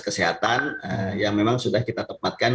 kesehatan yang memang sudah kita tempatkan